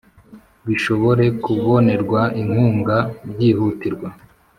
bishobore kubonerwa inkunga byihutirwa.